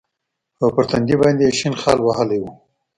او پر تندي باندې يې شين خال وهلى و.